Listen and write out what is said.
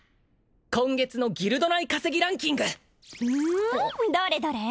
今月のギルド内稼ぎランキングふんどれどれ？